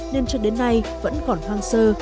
nên cho đến nay vẫn còn hoang sơ